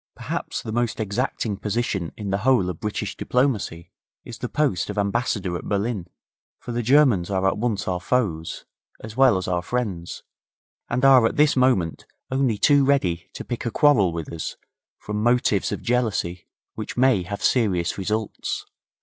Perhaps the most exacting position in the whole of British diplomacy is the post of Ambassador at Berlin, for the Germans are at once our foes, as well as our friends, and are at this moment only too ready to pick a quarrel with us from motives of jealousy which may have serious results.